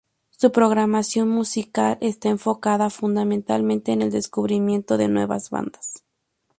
Su programación musical está enfocada fundamentalmente en el descubrimiento de nuevas bandas.